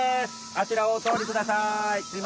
あちらをおとおりください！